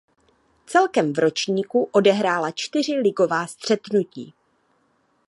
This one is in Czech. Celkem v ročníku odehrál čtyři ligová střetnutí.